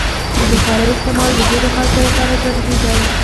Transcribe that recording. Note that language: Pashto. د بخارۍ استعمال د ځینو خلکو لپاره ضروري دی.